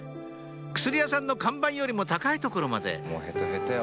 薬屋さんの看板よりも高い所までおもい！